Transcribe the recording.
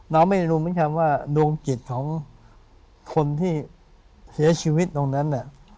เราไม่รู้เหมือนกันว่าดวงจิตของคนที่เสียชีวิตตรงนั้น